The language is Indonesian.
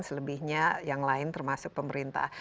selebihnya yang lain termasuk pemerintah